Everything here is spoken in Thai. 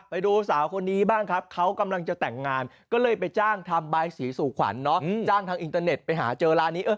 ไปดูสาวคนนี้บ้างครับเขากำลังจะแต่งงานก็เลยไปจ้างทำบายสีสู่ขวัญจ้างทางอินเตอร์เน็ตไปหาเจอร้านนี้